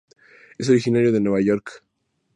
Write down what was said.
Es originario de Nueva York.